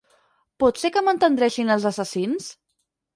Pot ser que m'entendreixin els assassins?